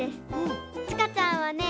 ちかちゃんはね